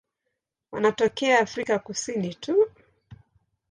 Wanatokea Afrika Kusini tu.